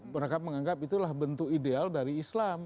mereka menganggap itulah bentuk ideal dari islam